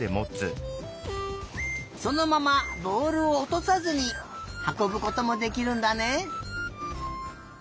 そのままぼおるをおとさずにはこぶこともできるんだね。